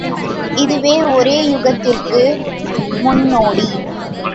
இதுவே ஒரே யுலகத்திற்கு முன்னோடி.